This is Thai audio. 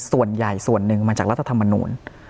ส่วนใหญ่ส่วนหนึ่งมาจากรัฐธรรมนูล